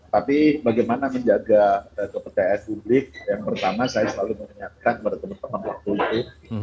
tapi bagaimana menjaga kepercayaan publik yang pertama saya selalu mengingatkan kepada teman teman di publik